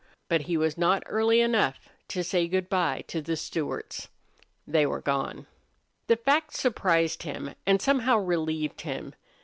But he was not early enough to say good by to the Stewarts. They were gone. The fact surprised him and somehow relieved him.